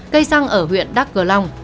cây xăng ở huyện đắk gờ long